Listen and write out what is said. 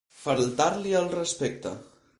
Faltar-li al respecte.